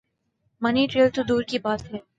منی trail تو دور کی بات ہے۔